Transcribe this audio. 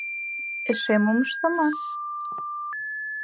Эше мом ыштыман?